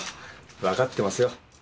わかってますよ。